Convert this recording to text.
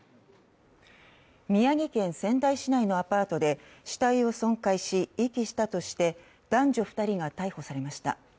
宮城県仙台市内のアパートで死体を損壊し遺棄したとして男女２人が逮捕されました。